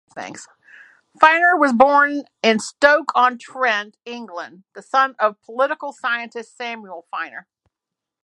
Finer was born in Stoke-on-Trent, England, the son of political scientist Samuel Finer.